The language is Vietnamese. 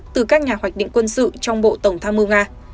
từ các nhà hoạch định quân sự trong bộ tổng tham mưu nga